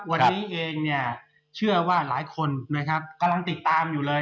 วันนี้เองเชื่อว่าหลายคนกำลังติดตามอยู่เลย